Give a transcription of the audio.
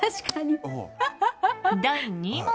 第２問！